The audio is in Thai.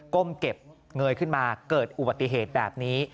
ก้มเก็บเงยขึ้นมาเกิดอุบัติเหตุแบบนี้